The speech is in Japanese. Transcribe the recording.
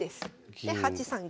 で８三銀。